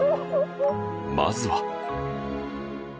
まずは